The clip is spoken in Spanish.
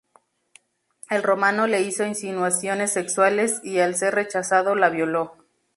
El romano le hizo insinuaciones sexuales, y al ser rechazado, la violó.